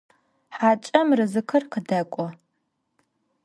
Хьакӏэм рызыкъыр къыдэкӏо.